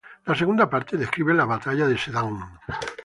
La segunda parte describe la batalla de sedán.